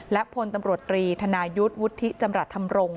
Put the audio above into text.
และพลตำรวจตรีธนายุทธ์วุฒิจำรัฐธรรมรงค